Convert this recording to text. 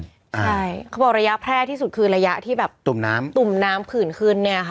ใช่เขาบอกระยะแพร่ที่สุดคือระยะที่แบบตุ่มน้ำตุ่มน้ำผื่นขึ้นเนี่ยค่ะ